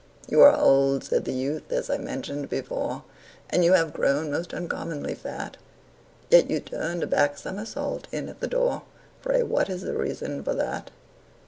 "You are old," said the youth, "as I mentioned before, And you have grown most uncommonly fat; Yet you turned a back somersault in at the door Pray what is the reason for that?"